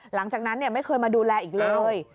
หลังจากนั้นไม่เคยมาดูแลอีกเลย